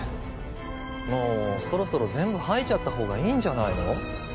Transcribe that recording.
もうそろそろ全部吐いちゃったほうがいいんじゃないの？